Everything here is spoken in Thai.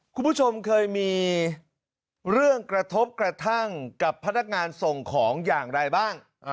คุณผู้ชมเคยมีเรื่องกระทบกระทั่งกับพนักงานส่งของอย่างไรบ้าง